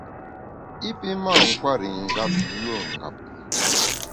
I pi mâ nkwer i njap yùe ngap.